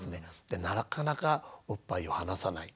でなかなかおっぱいを離さない。